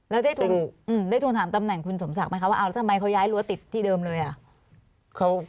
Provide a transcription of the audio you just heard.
แล้วได้ทวงถามตำแหน่งคุณสมศักดิ์ไหมคะว่าแล้วทำไมเขาย้ายรั้วติดที่เดิมเลยอ่ะ